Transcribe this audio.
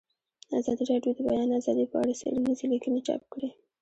ازادي راډیو د د بیان آزادي په اړه څېړنیزې لیکنې چاپ کړي.